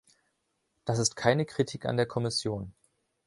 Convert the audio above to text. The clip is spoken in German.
Das ist keine Kritik an der Kommission.